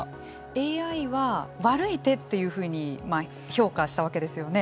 ＡＩは悪い手というふうに評価したわけですよね。